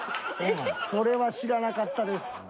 それは知らなかったです。